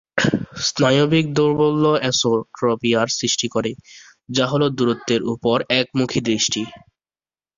স্নায়বিক দৌর্বল্য এসোট্রপিয়ার সৃষ্টি করে, যা হল দূরত্বের উপর একমুখী দৃষ্টি।